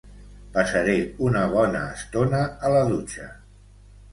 Passaré una bona estona a la dutxa